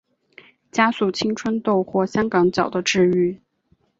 加速青春痘或香港脚的治愈。